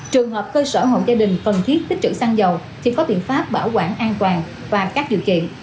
trường hợp cơ sở hộ gia đình cần thiết tích trữ xăng dầu thì có biện pháp bảo quản an toàn và các điều kiện